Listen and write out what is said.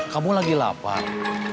kamu lagi lapar